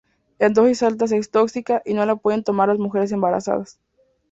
En dosis altas es tóxica y no la pueden tomar las mujeres embarazadas.